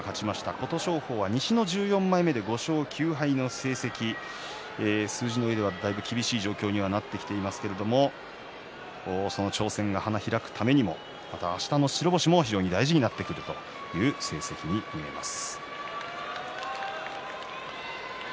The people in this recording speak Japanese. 琴勝峰は西の１４枚目で５勝９敗の成績数字のうえではだいぶ厳しい状況になってきていますけれどもその挑戦が花開くためにもまたあしたの白星も大事になってくるという成績です。